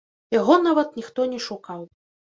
Яго нават ніхто не шукаў.